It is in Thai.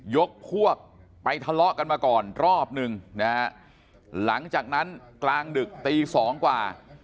ยกพวกไปทะเลาะกันมาก่อนรอบหนึ่งนะฮะหลังจากนั้นกลางดึกตีสองกว่า